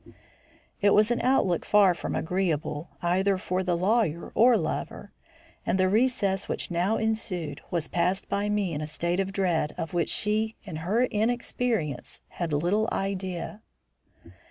It was an outlook far from agreeable either for the lawyer or lover, and the recess which now ensued was passed by me in a state of dread of which she in her inexperience had little idea.